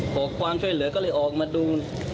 ขอความช่วยเหลือก็เลยออกมาดู